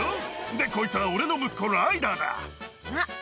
でこいつは俺の息子ライダーだ。